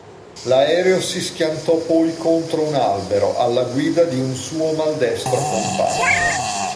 L'aereo si schiantò poi contro un albero, alla guida di un suo maldestro compagno.